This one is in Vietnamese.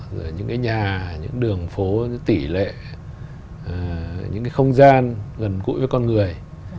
rồi những cái nhà những đường phố tỷ lệ những cái không gian gần cũi với con người